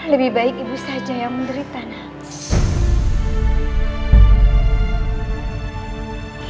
lebih baik ibu saja yang menderita naas